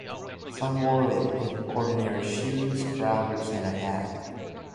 Some wore it with ordinary shoes, trousers and a hat.